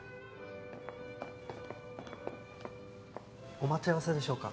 お待ち合わせでしょうか？